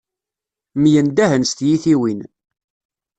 Myendahen s tyitiwin.